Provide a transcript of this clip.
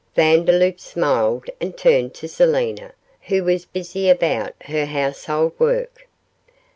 Vandeloup smiled, and turned to Selina, who was busy about her household work.